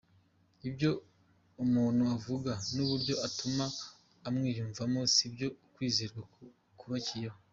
Ibyo umuntu avuga n’uburyo atuma umwiyumvamo sibyo ukwizerwa kubakiyeho.